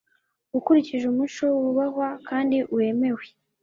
ukurikije umuco wubahwa kandi wemewe